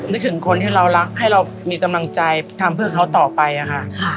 นึกถึงคนที่เรารักให้เรามีกำลังใจทำเพื่อเขาต่อไปค่ะ